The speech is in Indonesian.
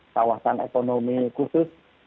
kawasan ekonomi khusus